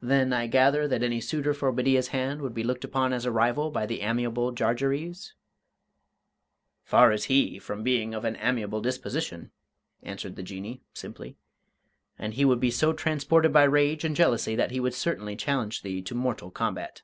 "Then I gather that any suitor for Bedeea's hand would be looked upon as a rival by the amiable Jarjarees?" "Far is he from being of an amiable disposition," answered the Jinnee, simply, "and he would be so transported by rage and jealousy that he would certainly challenge thee to mortal combat."